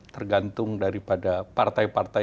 tergantung dari pada partai partai